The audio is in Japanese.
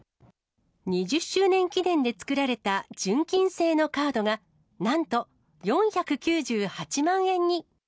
２０周年記念で作られた純金製のカードが、なんと４９８万円に。